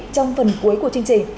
trong phần cuối của chương trình